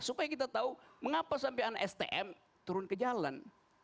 supaya kita tahu mengapa sampai anak stm turun ke jalan